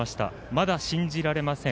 まだ信じられません。